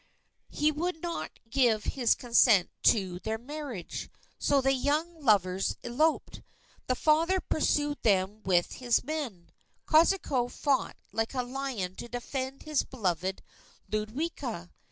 He would not give his consent to their marriage. So the young lovers eloped. The father pursued them with his men. Kosciuszko fought like a lion to defend his beloved Ludwika.